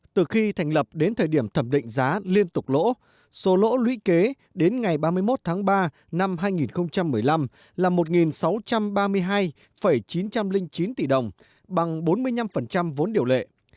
từ khi thành lập đến thời điểm thẩm định giá liên tục lỗ số lỗ lũy kế đến ngày ba mươi một tháng ba năm hai nghìn một mươi năm là một sáu trăm ba mươi hai chín trăm linh chín tỷ đồng bằng bốn mươi năm vốn điều lệ